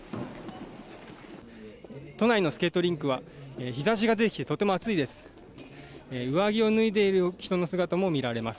都内のスケートリンクは日差しが出てきてとても暑いです。